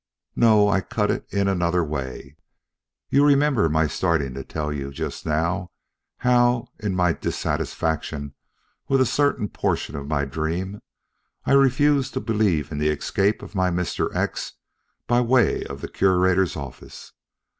"No, I cut it in another way. You remember my starting to tell you just now how, in my dissatisfaction with a certain portion of my dream, I refused to believe in the escape of my Mr. X by the way of the Curator's office.